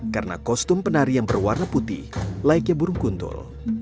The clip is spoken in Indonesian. karena kostum penari yang berwarna putih laiknya burung kuntul